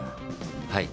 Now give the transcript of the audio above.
はい。